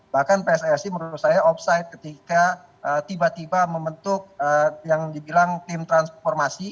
bahkan pssi menurut saya offside ketika tiba tiba membentuk yang dibilang tim transformasi